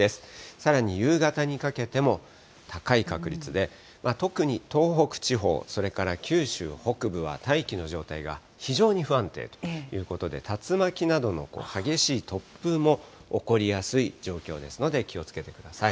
さらに夕方にかけても高い確率で、特に東北地方、それから九州北部は大気の状態が非常に不安定ということで、竜巻などの激しい突風も起こりやすい状況ですので、気をつけてください。